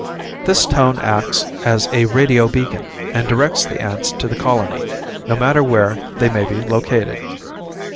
This tone acts as a radio beacon, and directs the ants to the colony, no matter where they may be located.